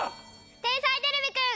「天才てれびくん」